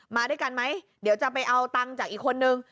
มาด้วยกันไหมเดี๋ยวจะไปเอาตังค์จากอีกคนนึง